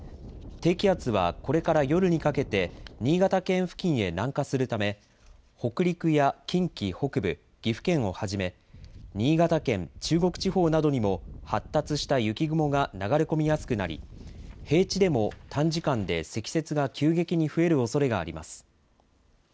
低気圧はこれから夜にかけて新潟県付近へ南下するため北陸や近畿北部、岐阜県をはじめ新潟県、中国地方などにも発達した雪雲が流れ込みやすくなり平地でも短時間で積雪が急激に増えるおそれがあります。